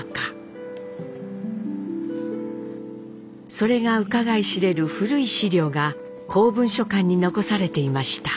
それがうかがい知れる古い資料が公文書館に残されていました。